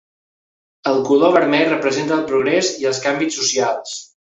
El color vermell representa el progrés i els canvis socials.